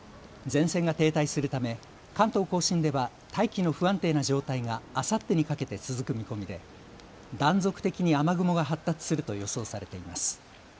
前線が停滞するため関東甲信では大気の不安定な状態があさってにかけて続く見込みで断続的に雨雲が発達すると予想されています。